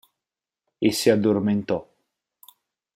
E si addormentò.